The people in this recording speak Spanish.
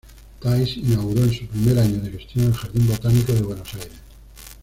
Thays inauguró en su primer año de gestión el Jardín Botánico de Buenos Aires.